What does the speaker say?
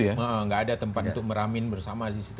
tidak ada tempat untuk meramin bersama di situ